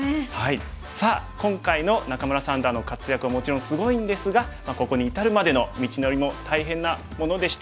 さあ今回の仲邑三段の活躍はもちろんすごいんですがここに至るまでの道のりも大変なものでした。